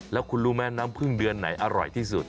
แล้วคุณรู้ไหมน้ำพึ่งเดือนไหนอร่อยที่สุด